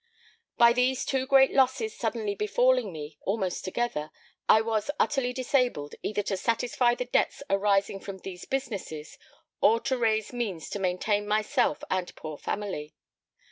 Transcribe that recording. By these two great losses suddenly befalling me, almost together, I was utterly disabled either to satisfy the debts arising from these businesses, or to raise means to maintain myself and poor family.